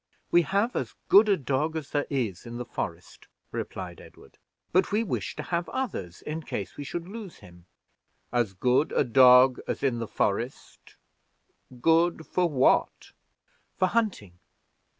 "We have as good a dog as there is in the forest," replied Edward; "but we wished to have others in case we should lose him." "As good a dog as in the forest good for what?" "For hunting."